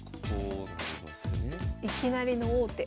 いきなりの王手。